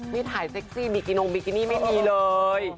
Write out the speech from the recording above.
นี่ถ่ายเซ็กซี่บิกินงบิกินี่ไม่มีเลย